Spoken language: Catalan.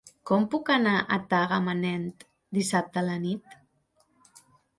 Com puc anar a Tagamanent dissabte a la nit?